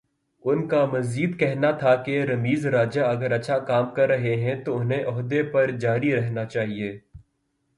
ان کا مزید کہنا تھا کہ رمیز راجہ اگر اچھا کام کررہے ہیں تو انہیں عہدے پر جاری رہنا چاہیے۔